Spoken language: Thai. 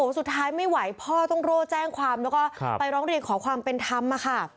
สุดท้ายไม่ไหวพ่อต้องโร่แจ้งความแล้วก็ไปร้องเรียนขอความเป็นธรรมค่ะ